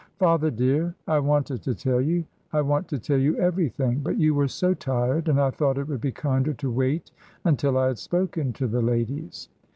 "Father, dear, I wanted to tell you I want to tell you everything; but you were so tired, and I thought it would be kinder to wait until I had spoken to the ladies."